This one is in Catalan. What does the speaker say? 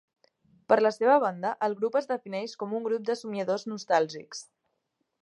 Per la seva banda, el grup es defineix com un grup de somiadors nostàlgics.